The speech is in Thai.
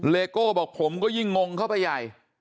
โก้บอกผมก็ยิ่งงงเข้าไปใหญ่